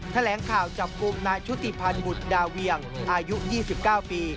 แถลงข่าวจับกลุ่มนายชุติพันธ์บุตรดาเวียงอายุ๒๙ปี